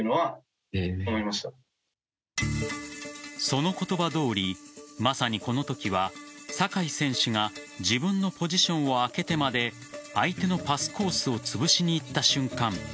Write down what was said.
その言葉どおりまさにこのときは酒井選手が自分のポジションを空けてまで相手のパスコースをつぶしにいった瞬間。